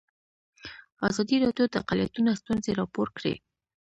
ازادي راډیو د اقلیتونه ستونزې راپور کړي.